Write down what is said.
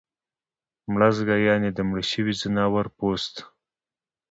مړزګه یعنی د مړه شوي ځناور پوست